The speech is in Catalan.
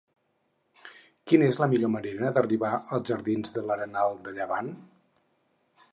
Quina és la millor manera d'arribar als jardins de l'Arenal de Llevant?